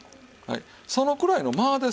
そのくらいの間ですわ。